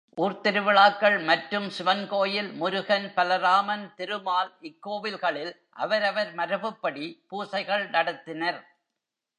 ஊர்த்திருவிழாக்கள் மற்றும் சிவன்கோவில், முருகன், பலராமன், திருமால் இக்கோவில்களில் அவரவர் மரபுப்படி பூசைகள் நடத்தினர்.